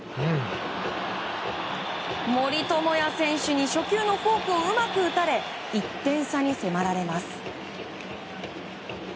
森友哉選手に初球のフォークをうまく打たれ１点差に迫られます。